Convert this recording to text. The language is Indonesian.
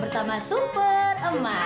bersama super emma